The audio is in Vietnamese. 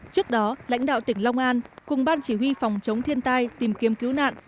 trước đó lãnh đạo tỉnh long an cùng ban chỉ huy phòng chống thiên tai tìm kiếm cứu nạn